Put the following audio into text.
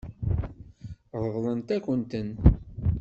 Ṛeḍlent-akent-ten.